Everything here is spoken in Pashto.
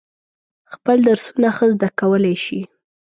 خپل درسونه ښه زده کولای شي.